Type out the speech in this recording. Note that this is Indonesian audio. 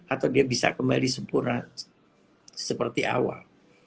atau dia bisa kembali sempurna seperti awal